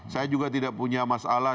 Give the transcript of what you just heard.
saya juga tidak punya masalah